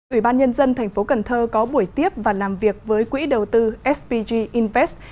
ủy ban nhân dân tp cn có buổi tiếp và làm việc với quỹ đầu tư spg invest